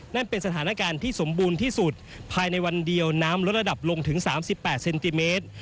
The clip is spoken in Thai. นั่นเป็นสถานการณ์ที่สมบูรณ์ที่สุดภายในวันเดียวน้ำลดระดับลงถึง๓๘เซนติเมตร